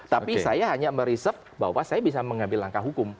tapi saya hanya merisap bahwa saya bisa mengambil langkah hukum